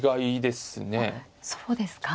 そうですか。